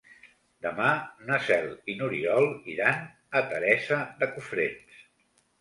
Demà na Cel i n'Oriol iran a Teresa de Cofrents.